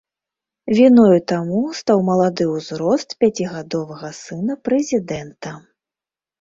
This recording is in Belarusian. Віною таму стаў малады ўзрост пяцігадовага сына прэзідэнта.